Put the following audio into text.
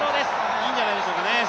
いいんじゃないでしょうかね。